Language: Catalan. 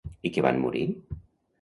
I que van morir?